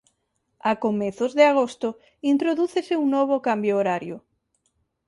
A comezos de agosto introdúcese un novo cambio horario.